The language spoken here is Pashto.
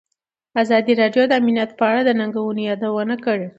ازادي راډیو د امنیت په اړه د ننګونو یادونه کړې.